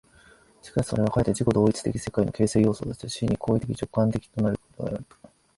しかしそれはかえって自己同一的世界の形成要素として、真に行為的直観的となるということである。